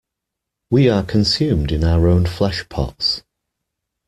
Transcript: We are consumed in our own flesh-pots.